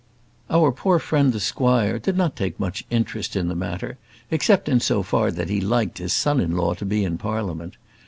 Our poor friend the squire did not take much interest in the matter, except in so far that he liked his son in law to be in Parliament.